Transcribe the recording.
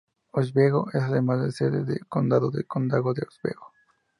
Oswego es además la sede de condado del condado de Oswego.